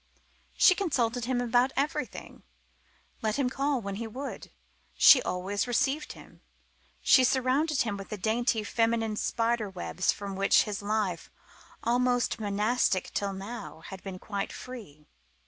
She consulted him about everything. Let him call when he would, she always received him. She surrounded him with the dainty feminine spider webs from which his life, almost monastic till now, had been quite free.